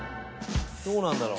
どうなんだろう？